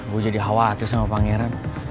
gue jadi hawat sebagai pangeran